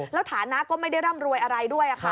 แล้วฐานะก็ไม่ได้ร่ำรวยอะไรด้วยค่ะ